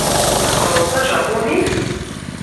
Theddreḍ tajapunit?